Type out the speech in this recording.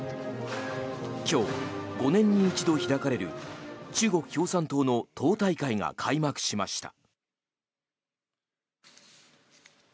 今日、５年に一度開かれる中国共産党の党大会が開幕しました。